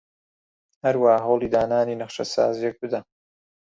هەروەها هەوڵی دانانی نەخشەسازییەک بدە